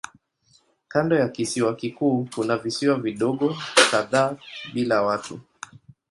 Kando ya kisiwa kikuu kuna visiwa vidogo kadhaa bila watu.